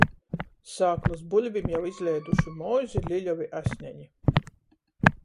Sāklys buļvim jau izleiduši mozi, liļovi asneni.